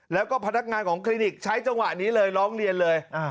แล้วก็พนักงานของคลินิกใช้จังหวะนี้เลยร้องเรียนเลย